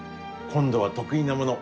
今度は得意なもの